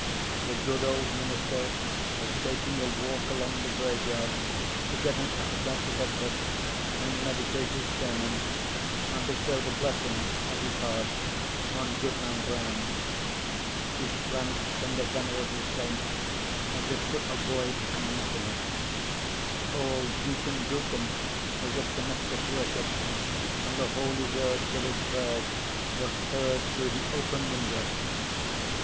The good old minister was taking a walk along the graveyard to get an appetite for breakfast and meditate his sermon, and bestowed a blessing, as he passed, on Goodman Brown. He shrank from the venerable saint as if to avoid an anathema. Old Deacon Gookin was at domestic worship, and the holy words of his prayer were heard through the open window.